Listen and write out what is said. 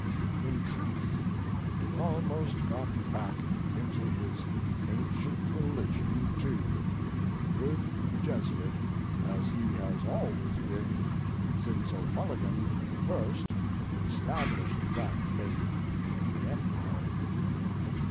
In truth he almost got back into his ancient religion, too, good Jesuit as he has always been since O'Mulligan the First established that faith in the empire.